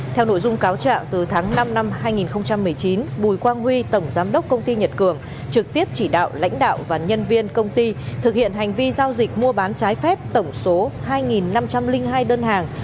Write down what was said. theo nội dung cáo trạng từ tháng năm năm hai nghìn một mươi chín bùi quang huy tổng giám đốc công ty nhật cường trực tiếp chỉ đạo lãnh đạo và nhân viên công ty thực hiện hành vi giao dịch mua bán trái phép tổng số hai năm trăm linh hai đơn hàng